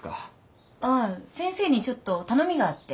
ああ先生にちょっと頼みがあって。